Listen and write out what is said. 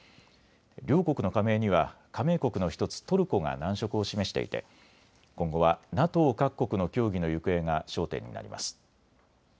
両国の加盟には加盟国の１つ、トルコが難色を示していて今後はＮＡＴＯ各国の協議の行方が焦点になります。